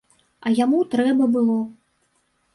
А яму трэба было.